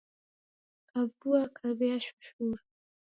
Kavua kaw'iashushura.